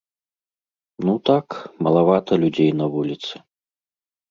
Ну так, малавата людзей на вуліцы.